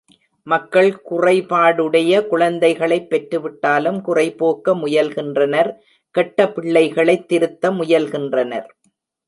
மக்கள் குறைபாடுடைய குழந்தைகளைப் பெற்றுவிட்டாலும் குறைபோக்க முயல்கின்றனர்—கெட்ட பிள்ளைகளைத் திருத்த முயல்கின்றனர்.